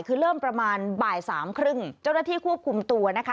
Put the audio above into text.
คือเริ่มประมาณบ่ายสามครึ่งเจ้าหน้าที่ควบคุมตัวนะคะ